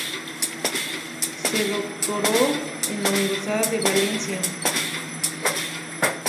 Se doctoró en la Universidad de Valencia.